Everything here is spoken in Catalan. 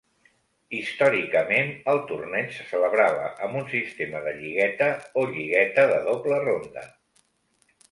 Històricament, el torneig se celebrava amb un sistema de lligueta o lligueta de dobla ronda.